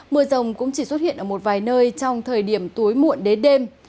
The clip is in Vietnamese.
mưa rồng cũng chỉ xuất hiện ở một vài nơi trong thời điểm tối muộn đến đêm